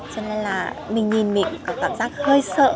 cho nên là mình nhìn mình có cảm giác hơi sợ